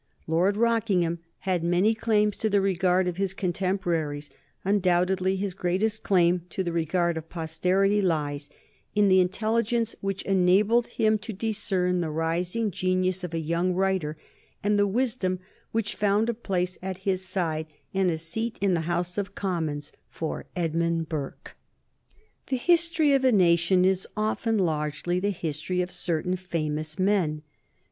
Lord Rockingham had many claims to the regard of his contemporaries; undoubtedly his greatest claim to the regard of posterity lies in the intelligence which enabled him to discern the rising genius of a young writer, and the wisdom which found a place by his side and a seat in the House of Commons for Edmund Burke. [Sidenote: 1765 The coming of Edmund Burke] The history of a nation is often largely the history of certain famous men.